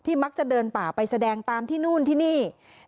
มักจะเดินป่าไปแสดงตามที่นู่นที่นี่